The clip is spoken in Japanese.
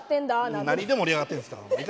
何で盛り上がってんすか。